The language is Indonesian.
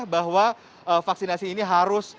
bahwa vaksinasi ini harus